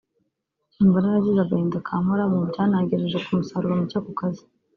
numva naragize agahinda kamporamo byanangejeje ku musaruro muke ku kazi